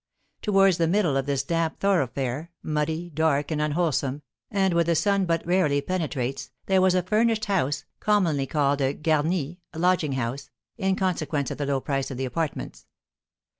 Towards the middle of this damp thoroughfare, muddy, dark, and unwholesome, and where the sun but rarely penetrates, there was a furnished house (commonly called a garni, lodging house, in consequence of the low price of the apartments).